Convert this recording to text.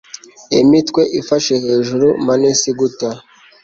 imitwe ifashe hejuru, manes guta